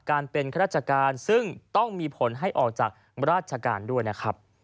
การเป็นข้าราชการซึ่งต้องมีผลให้ออกจากราชการด้วยนะครับ